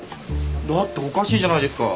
だっておかしいじゃないですか。